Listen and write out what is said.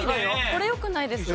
これよくないですか？